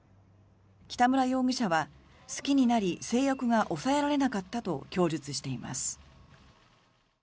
北村容疑者は、好きになり性欲が抑えられなかったと供述しています。